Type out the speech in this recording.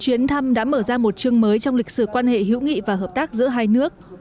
chuyến thăm đã mở ra một chương mới trong lịch sử quan hệ hữu nghị và hợp tác giữa hai nước